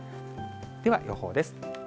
では、予報です。